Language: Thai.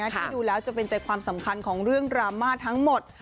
ที่ดูแล้วจะเป็นใจความสำคัญของเรื่องดราม่าทั้งหมด